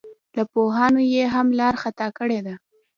له پوهانو یې هم لار خطا کړې ده.